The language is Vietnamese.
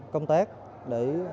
công tác để